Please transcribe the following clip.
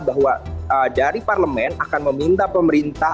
bahwa dari parlemen akan meminta pemerintah